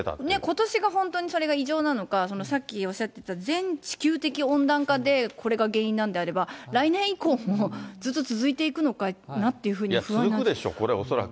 ことしが、それが異常なのか、さっきおっしゃってた、全地球的温暖化で、これが原因なんであれば、来年以降もずっと続いていくのかなっていうふうに不安になっちゃ続くでしょ、恐らく。